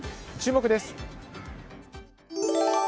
注目です。